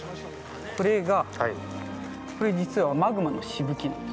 これ、実はマグマのしぶきなんです。